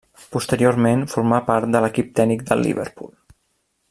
Posteriorment formà part de l'equip tècnic del Liverpool.